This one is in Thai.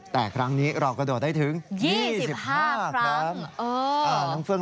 แต่ครั้งนี้เรากระโดดได้ถึง๒๕ครั้ง